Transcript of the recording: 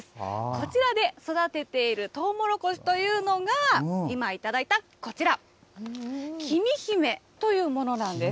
こちらで育てているとうもろこしというのが、今、頂いたこちら、きみひめというものなんです。